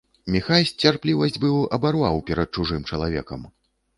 Міхась цярплівасць быў абарваў перад чужым чалавекам.